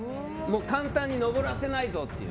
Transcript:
簡単に登らせないぞという。